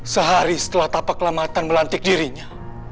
sehari setelah tapa kelamatan melantik dirinya